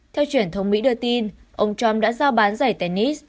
theo truyền thông mỹ đưa tin ông trump đã giao bán giày tennis